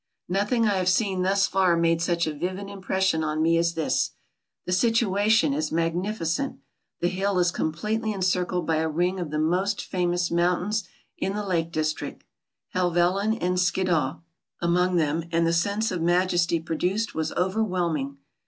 Nothing I have seen thus far made such a vivid impres sion on me as this. The situation is magnificent. The hill is completely encircled by a ring of the most famous moun tains in the Lake District, Helvetlyn and Skiddaw among them, and the sense of majesty produced was overwhelm ing.